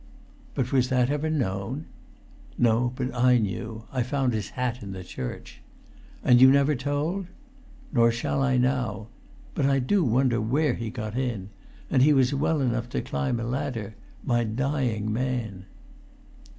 "But was that ever known?" "No; but I knew. I found his hat in the church." "And you never told?" "Nor shall I now. But I do wonder where he got in! And he was well enough to climb a ladder—my dying man!"